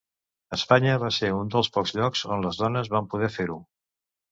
Espanya va ser un dels pocs llocs on les dones van poder fer-ho.